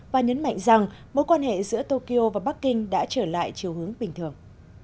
và nhấn mạnh rằng mối quan hệ giữa tokyo và bắc kinh đã trở lại chiều hướng bình thường